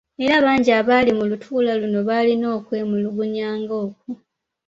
Era bangi abaali mu lutuula luno baalina okwemulugunya nga okwo.